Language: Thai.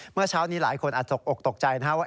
เมื่อเช้านี้หลายคนอาจตกอกตกใจนะครับว่า